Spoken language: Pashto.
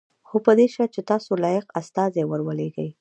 خو په دې شرط چې تاسو لایق استازی ور ولېږئ.